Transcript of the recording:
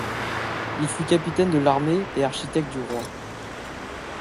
Il fut capitaine de l'armée et architecte du roi.